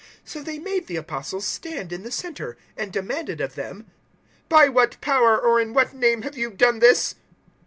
004:007 So they made the Apostles stand in the centre, and demanded of them, "By what power or in what name have you done this?"